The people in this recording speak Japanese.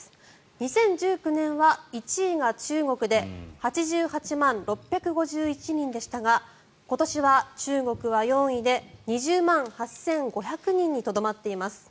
２０１９年は１位が中国で８８万６５１人でしたが今年は中国は４位で２０万８５００人にとどまっています。